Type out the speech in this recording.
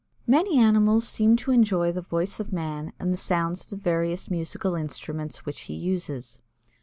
Many animals seem to enjoy the voice of man and the sounds of the various musical instruments which he uses.